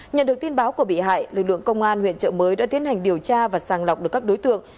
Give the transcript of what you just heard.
nhận được tin báo của bị hại lực lượng công an huyện trợ mới đã tiến hành điều tra và sàng lọc được các đối tượng